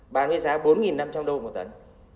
bán với giá bốn năm trăm linh đô một tấn